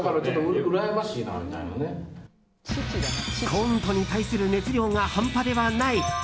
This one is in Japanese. コントに対する熱量が半端ではない。